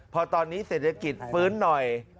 พอตอนนี้เศรษฐกิจฟื้นหน่อย